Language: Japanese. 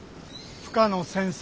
深野先生